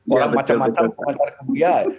orang macam macam komentar ke buya